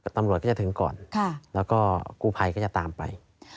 ตำรวจก็จะถึงก่อนแล้วก็กูภัยก็จะตามไป